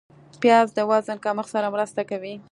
پیاز د وزن کمښت سره مرسته کوي